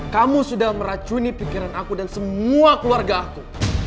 kamu sudah meracuni pikiran aku dan semua keluarga aku